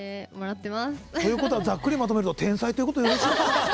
ということはざっくりまとめると天才ということでよろしいですか。